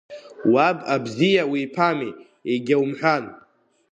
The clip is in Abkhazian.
Уаб абзиа уиԥами, егьаумҳәан.